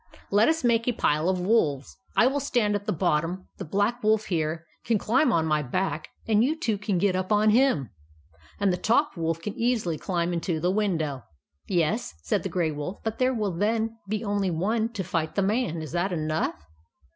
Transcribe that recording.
Let us make a pile of wolves. I will stand at the bottom ; the Black Wolf, here, can climb on my back; you two can get up on him; and the top wolf can easily climb into the window." "Yes," said the Grey Wolf ; "but there will then be only one to fight the man. Is that enough